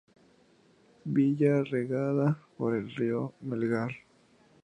Villa regada por el río Melgar.